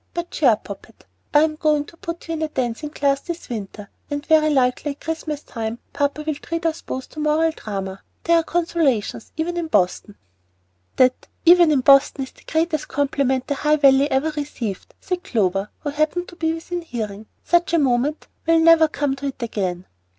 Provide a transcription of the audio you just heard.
But cheer up, Poppet; I'm going to put you into a dancing class this winter, and very likely at Christmas time papa will treat us both to a Moral Drayma. There are consolations, even in Boston." "That 'even in Boston' is the greatest compliment the High Valley ever received," said Clover, who happened to be within hearing. "Such a moment will never come to it again."